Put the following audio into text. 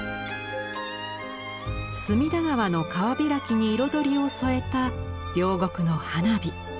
隅田川の川開きに彩りを添えた両国の花火。